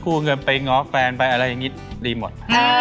เงินไปง้อแฟนไปอะไรอย่างนี้ดีหมด